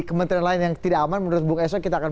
kementerian lain yang tidak aman menurut bung esok kita akan